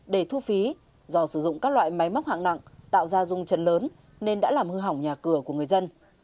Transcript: để thu phí do sử dụng các loại máy móc hạng nặng tạo ra rung trần lớn nên đã làm hư hỏng nhà cửa của người dân